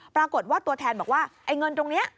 ปรากฏว่าตัวแทนบอกว่าไอ้เงินตรงนี้